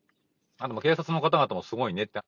警察の方々もすごいねって。